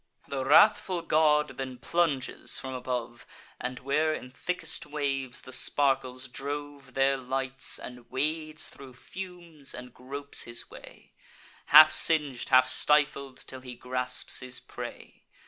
The wrathful god then plunges from above, And, where in thickest waves the sparkles drove, There lights; and wades thro' fumes, and gropes his way, Half sing'd, half stifled, till he grasps his prey.